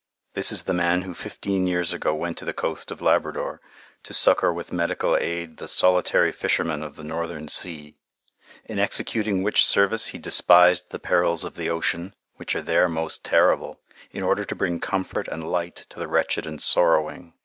This is the man who fifteen years ago went to the coast of Labrador, to succor with medical aid the solitary fishermen of the northern sea; in executing which service he despised the perils of the ocean, which are there most terrible, in order to bring comfort and light to the wretched and sorrowing.